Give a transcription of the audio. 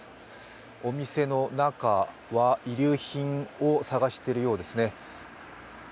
お店の中、遺留品を捜しているようですね。